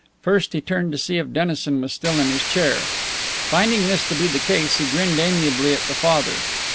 First he turned to see if Dennison was still in his chair. Finding this to be the case, he grinned amiably at the father.